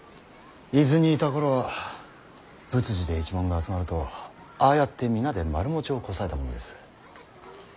伊豆にいた頃は仏事で一門が集まるとああやって皆で丸餅をこさえたものです。